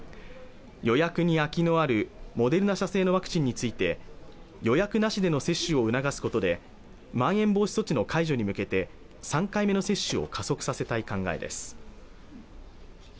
予約に空きのあるモデルナ社製のワクチンについて予約なしでの接種を促すことでまん延防止措置の解除に向けて３回目の接種を加速させたい考えです